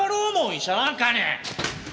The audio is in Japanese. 医者なんかに！